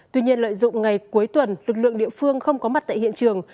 tuy nhiên lợi dụng ngày cuối tuần lực lượng địa phương không có mặt tại hiện trường